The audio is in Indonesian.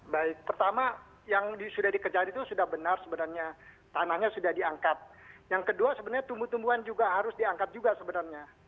baik pertama yang sudah dikejar itu sudah benar sebenarnya tanahnya sudah diangkat yang kedua sebenarnya tumbuh tumbuhan juga harus diangkat juga sebenarnya